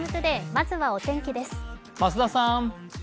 まずはお天気です。